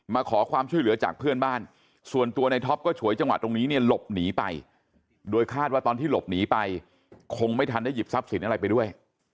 มาขอความช่วยเหลือจากเพื่อนบ้านส่วนตัวในท็อปก็ฉวยจังหวะตรงนี้เนี่ยหลบหนีไปโดยคาดว่าตอนที่หลบหนีไปคงไม่ทันได้หยิบทรัพย์สินอะไรไปด้วย